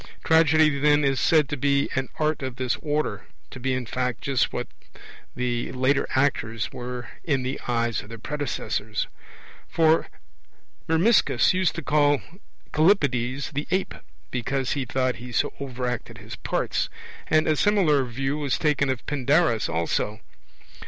Tragedy, then, is said to be an art of this order to be in fact just what the later actors were in the eyes of their predecessors; for Myrmiscus used to call Callippides 'the ape', because he thought he so overacted his parts; and a similar view was taken of Pindarus also.